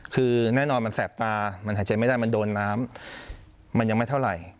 คือแน่นอนมันแสบตามันหายใจไม่ได้มันโดนน้ำมันยังไม่เท่าไหร่